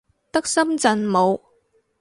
得深圳冇